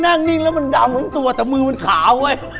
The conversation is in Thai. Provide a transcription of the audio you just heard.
นั่งนิ่งแล้วมันดำเหมือนตัวแต่มือมันขาวเว้ย